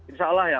insya allah ya